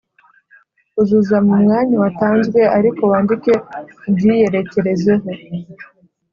Uzuza mu mwanya watanzwe ariko wandike ubyiyerekezeho